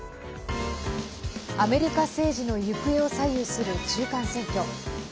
アメリカ政治の行方を左右する中間選挙。